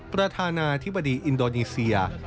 ประธานาธิบดีอินโดนีเซีย